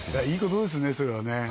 今いいことですね